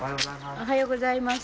おはようございます。